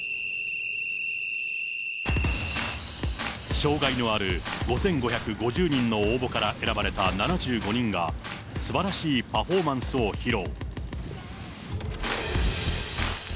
障害のある５５５０人の応募から選ばれた７５人が、すばらしいパフォーマンスを披露。